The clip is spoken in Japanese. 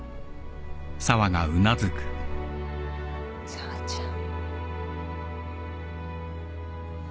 紗和ちゃん。